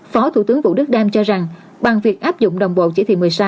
phó thủ tướng vũ đức đam cho rằng bằng việc áp dụng đồng bộ chỉ thị một mươi sáu